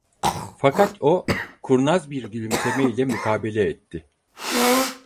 Fakat o, kurnaz bir gülümseme ile mukabele etti: